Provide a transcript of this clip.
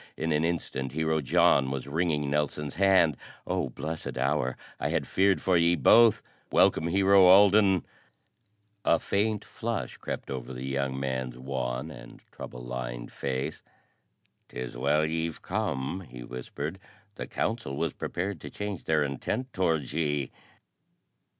In an instant Hero John was wringing Nelson's hand. "Oh blessed hour! I had feared for ye both. Welcome, Hero Alden!" A faint flush crept over the young man's wan and trouble lined face. "'Tis well ye've come," he whispered. "The council was prepared to change their intent towards ye."